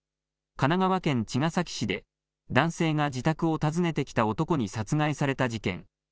神奈川県茅ヶ崎市で、男性が自宅を訪ねてきた男に殺害された事件。